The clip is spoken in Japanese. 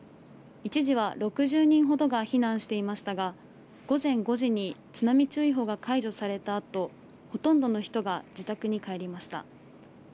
一時は６０人ほどが避難していましたが、午前５時に津波注意報が解除されたあと、ほとんどの人が自宅に帰りました。